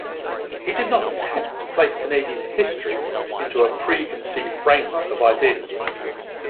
He did not attempt to place Canadian history into a preconceived framework of ideas.